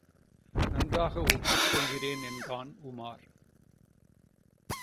நன்றாக ஒப்புக் கொள்கிறேன் என்றான் உமார்.